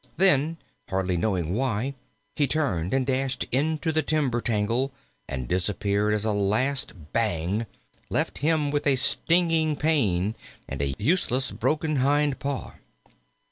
Then, hardly knowing why, he turned and dashed into the timber tangle, and disappeared as a last bang left him with a stinging pain and a useless, broken hind paw.